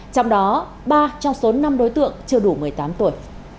trong đó ba trong số năm đối tượng chưa đủ một mươi tám tuổi